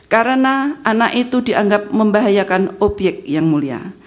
karena anak itu dianggap membahayakan obyek yang mulia